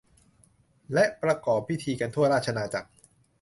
และประกอบพิธีกันทั่วราชอาณาจักร